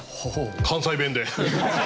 関西弁で？